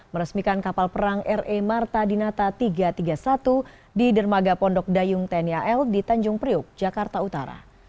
meresmikan kapal perang re marta dinata tiga ratus tiga puluh satu di dermaga pondok dayung tni al di tanjung priuk jakarta utara